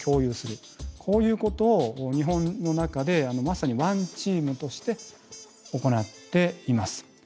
こういうことを日本の中でまさにワンチームとして行っています。